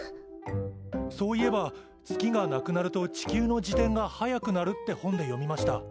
そういえば月がなくなると地球の自転が速くなるって本で読みました。